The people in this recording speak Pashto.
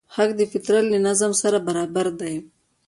حق د فطرت له نظم سره برابر دی.